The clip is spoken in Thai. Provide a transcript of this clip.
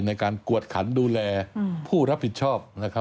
ในการกวดขันดูแลผู้รับผิดชอบ